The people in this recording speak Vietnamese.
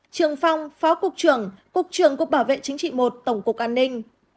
trường phong phó cục trưởng cục trường cục bảo vệ chính trị một tổng cục an ninh